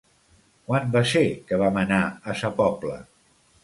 Quan va ser que vam anar a Sa Pobla?